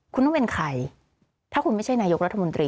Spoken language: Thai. คุณต้องเป็นใครถ้าคุณไม่ใช่นายกรัฐมนตรี